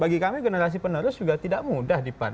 bagi kami generasi penerus juga tidak mudah di pan